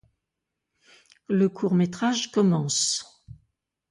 Le court métrage commence.